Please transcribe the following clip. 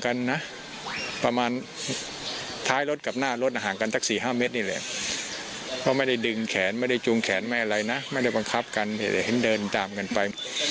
เขาไม่ได้ดึงแขนไม่ได้จูงแขนไม่ได้อะไรนะไม่ได้บังคับกันแต่เห็นเดินตามกันไป